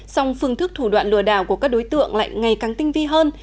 song phương thức thủ đoạn lừa đảo của các đối tượng lại ngày càng tinh vi hơn